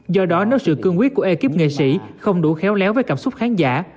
do đó nếu sự cương quyết của ekip nghệ sĩ không đủ khéo léo với cảm xúc khán giả